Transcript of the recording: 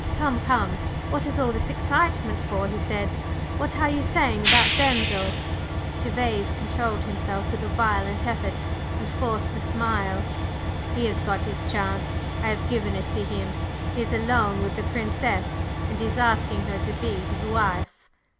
"Come, come, what is all this excitement for?" he said. "What are you saying about Denzil?" Gervase controlled himself with a violent effort and forced a smile. "He has got his chance, I have given it to him! He is alone with the Princess, and he is asking her to be his wife!"